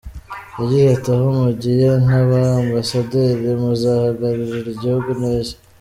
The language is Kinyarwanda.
Yagize ati "Aho mugiye nka ba Ambasaderi, muzahagararire igihugu neza.